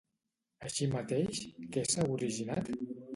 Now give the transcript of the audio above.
Així mateix, què s'ha originat?